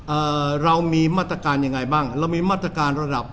เอ่อเรามีมาตรการยังไงบ้างเรามีมาตรการระดับ